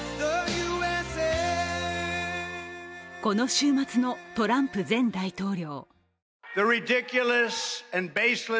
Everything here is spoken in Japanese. この週末のトランプ前大統領。